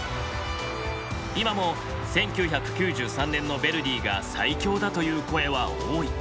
今も１９９３年のヴェルディが最強だという声は多い。